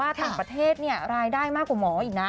ต่างประเทศเนี่ยรายได้มากกว่าหมออีกนะ